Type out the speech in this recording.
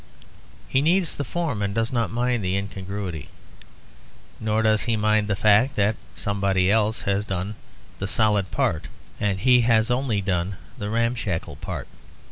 He needs the form and he does not mind the incongruity, nor does he mind the fact that somebody else has done the solid part and he has only done the ramshackle part.